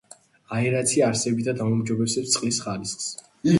აერაცია არსებითად აუმჯობესებს წყლის ხარისხს.